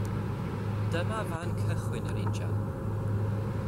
Dyma fan cychwyn yr injan.